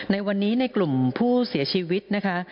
ในวันนี้ในกลุ่มผู้เสียชีวิตนะคะ